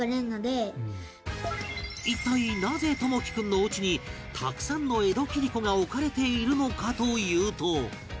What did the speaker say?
一体なぜ朋樹君のおうちにたくさんの江戸切子が置かれているのかというと